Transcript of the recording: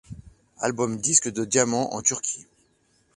Album disque de diamant en Turquie.